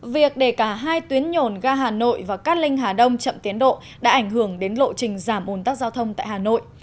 việc để cả hai tuyến nhồn ga hà nội và cát linh hà đông chậm tiến độ đã ảnh hưởng đến lộ trình giảm ồn tắc giao thông tại hà nội